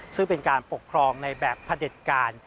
ซึ่งเป็นการปกครองในแบบพระเด็จการ